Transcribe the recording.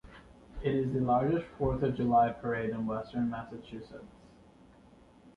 It is the largest Fourth of July parade in western Massachusetts.